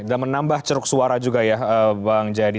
dan menambah ceruk suara juga ya bang jadi